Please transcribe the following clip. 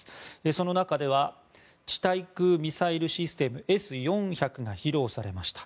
その中では地対空ミサイルシステムＳ４００が披露されました。